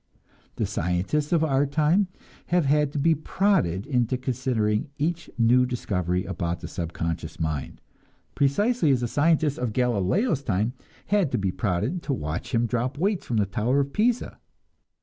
The scientists of our time have had to be prodded into considering each new discovery about the subconscious mind, precisely as the scientists of Galileo's time had to be prodded to watch him drop weights from the tower of Pisa.